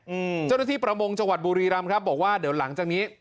อืมเจ้าหน้าที่ประมงจังหวัดบุรีรำครับบอกว่าเดี๋ยวหลังจากนี้